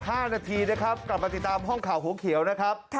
ห้านาทีนะครับกลับมาติดตามห้องข่าวหัวเขียวนะครับ